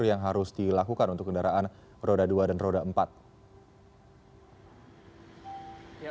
yang harus dilakukan untuk kendaraan roda dua dan roda empat